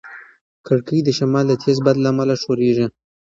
کړکۍ د شمال د تېز باد له امله ښورېږي.